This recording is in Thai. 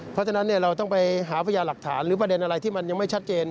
เพราะฉะนั้นเราต้องไปหาพยาหลักฐานหรือประเด็นอะไรที่มันยังไม่ชัดเจน